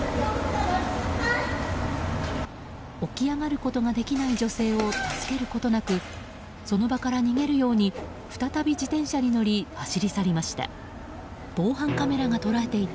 起き上がることができない女性を助けることなくその場から逃げるように再び自転車に乗り走り去りました。